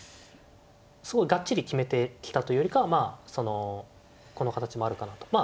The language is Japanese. すごいガッチリ決めてきたというよりかはまあそのこの形もあるかなと。